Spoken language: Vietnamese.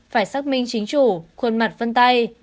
phải xác minh chính chủ khuôn mặt phân tay